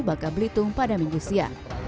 bangka belitung pada minggu siang